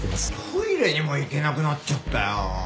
トイレにも行けなくなっちゃったよ。